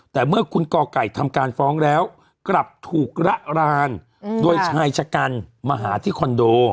แต่เมื่อคุณกไก่ทำการฟ้องแล้วกลับถูกระรานโดยชายชะกันมาหาที่คอนโด